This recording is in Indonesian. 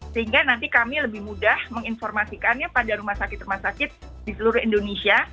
sehingga nanti kami lebih mudah menginformasikannya pada rumah sakit rumah sakit di seluruh indonesia